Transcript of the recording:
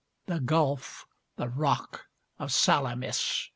The gulf, the rock of Salamis!